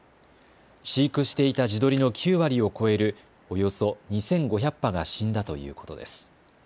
飼育していた地鶏の９割を超えるおよそ２５００羽が死んだということです。